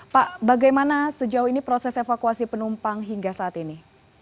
pak bagaimana sejauh ini proses evakuasi penumpang hingga saat ini